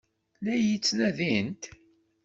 La iyi-ttnadint?